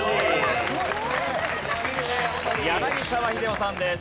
柳澤秀夫さんです。